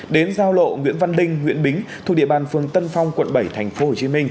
đến giao lộ nguyễn văn linh nguyễn bính thuộc địa bàn phường tân phong quận bảy tp hcm